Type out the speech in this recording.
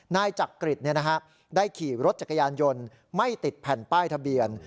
นายจักริตได้ขี่รถจักรยานยนต์ไม่ติดแผ่นป้ายทะเบียน